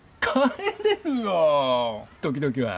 時々は。